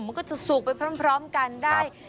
มันก็จะสุกไปพร้อมกันได้